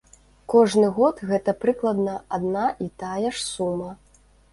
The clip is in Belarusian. Кожны год гэта прыкладна адна і тая ж сума.